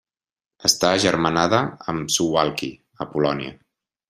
Està agermanada amb Suwałki, a Polònia.